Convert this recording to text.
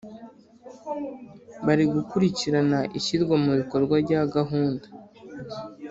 Bari gukurikirana ishyirwa mu bikorwa rya gahunda.